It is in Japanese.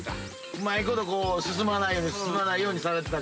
うまいこと進まないように進まないようにされて。